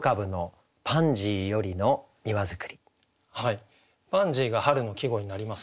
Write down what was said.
「パンジー」が春の季語になりますね。